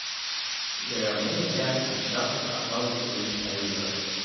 There are many dams constructed across the Krishna river.